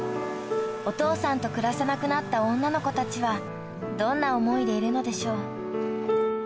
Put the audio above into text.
お父さんと暮らさなくなった女の子たちはどんな思いでいるのでしょう？